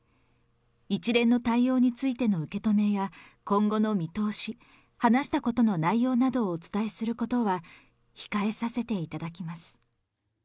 一連の対応についての受け止めや今後の見通し、話したことの内容などをお伝えすることは、控えさせていただきます。